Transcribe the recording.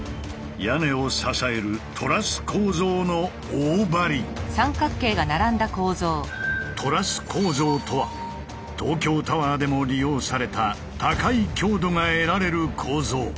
今回トラス構造とは東京タワーでも利用された高い強度が得られる構造。